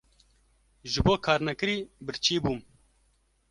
ji bo karnekirî birçî bûm.